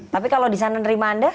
tapi kalau di sana nerima anda